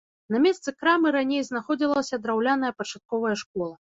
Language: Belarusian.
На месцы крамы раней знаходзілася драўляная пачатковая школа.